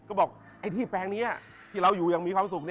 ก็บอกไอ้ที่แปลงนี้ที่เราอยู่อย่างมีความสุข